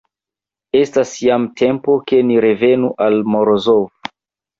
Estas jam tempo, ke ni revenu al Morozov.